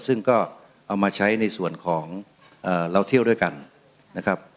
ซึ่งก็เอามาใช้ในส่วนของเราเที่ยวด้วยกันนะครับ